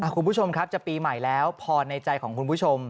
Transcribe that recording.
คุณผู้ชมครับจะปีใหม่แล้วพอในใจของคุณผู้ชม